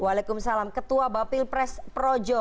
waalaikumsalam ketua bapil pres projo